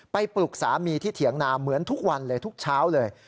ปลุกสามีที่เถียงนาเหมือนทุกวันเลยทุกเช้าเลย